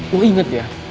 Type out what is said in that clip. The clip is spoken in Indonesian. gue inget ya